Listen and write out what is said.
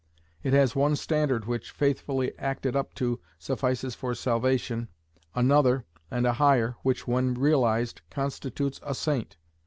It has one standard which, faithfully acted up to, suffices for salvation, another and a higher which when realized constitutes a saint.